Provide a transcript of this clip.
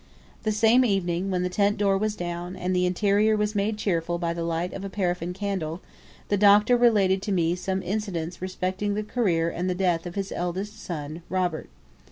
The same evening, when the tent door was down, and the interior was made cheerful by the light of a paraffin candle, the Doctor related to me some incidents respecting the career and the death of his eldest son, Robert.